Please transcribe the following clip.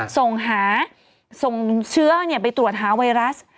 ส่งหาส่งเชื้อไปตรวจหาไวรัส